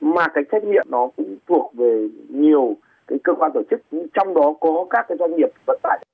mà cái trách nhiệm đó cũng thuộc về nhiều cái cơ quan tổ chức trong đó có các doanh nghiệp vận tải